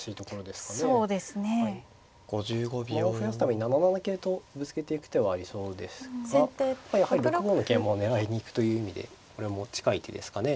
駒を増やすために７七桂とぶつけていく手はありそうですがやはり６五の桂馬を狙いに行くという意味でこれも近い手ですかね。